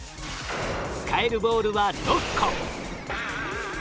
使えるボールは６個。